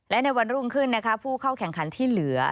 และในวันรุ่งขึ้นนะคะผู้เข้าแข่งขันที่เหลือ